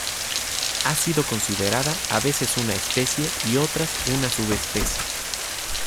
Ha sido considerada, a veces una especie y otras una subespecie.